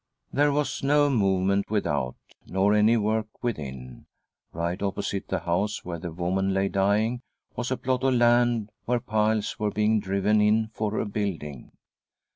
There was no movement without nor any work within. Right opposite the house where the woman lay dying was a plot of land where piles were being driven in for a building.